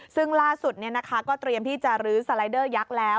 ซึ่งล่าสุดก็เตรียมที่จะลื้อสไลเดอร์ยักษ์แล้ว